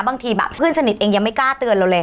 บางทีแบบเพื่อนสนิทเองยังไม่กล้าเตือนเราเลย